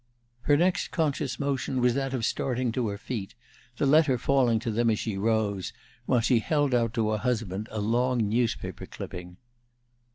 Her next conscious motion was that of starting to her feet, the letter falling to them as she rose, while she held out to her husband a long newspaper clipping.